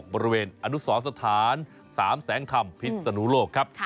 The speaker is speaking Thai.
บริเวณอนุสรสถาน๓แสงธรรมพิศนุโลกครับ